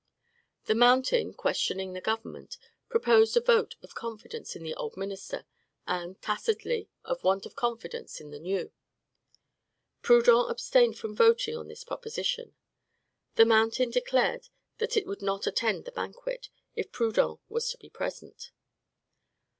The Mountain, questioning the government, proposed a vote of confidence in the old minister, and, tacitly, of want of confidence in the new. Proudhon abstained from voting on this proposition. The Mountain declared that it would not attend the banquet, if Proudhon was to be present.